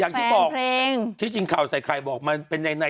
อย่างที่บอกเพลงที่จริงข่าวใส่ไข่บอกมันเป็นใน